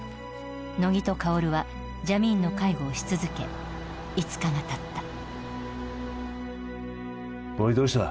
乃木と薫はジャミーンの介護をし続け５日が経ったおいどうした？